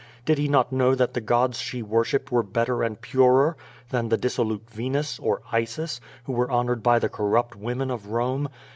Did he not know that the Qods she worshipped were better and purer than the dissolute Venus, or Isis, who were honored by the corrupt women of Rome?